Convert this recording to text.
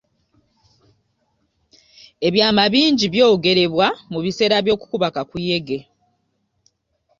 Ebyama bingi byogerebwa mu biseera by'okukuba kakuyege.